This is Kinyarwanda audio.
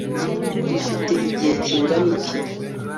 dufite igihe kingana iki